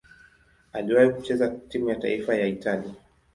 Aliwahi kucheza timu ya taifa ya Italia.